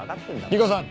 理子さん